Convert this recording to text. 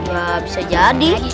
gak bisa jadi